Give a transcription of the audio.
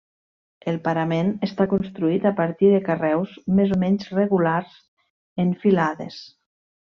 El parament està construït a partir de carreus més o menys regulars, en filades.